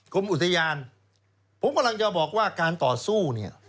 กรมอุทยานผมกำลังจะบอกว่าการต่อสู้เนี่ย